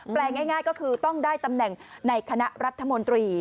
ง่ายก็คือต้องได้ตำแหน่งในคณะรัฐมนตรี